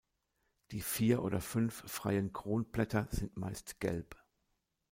Die vier oder fünf freien Kronblätter sind meist gelb.